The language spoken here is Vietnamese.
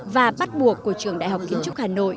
và bắt buộc của trường đại học kiến trúc hà nội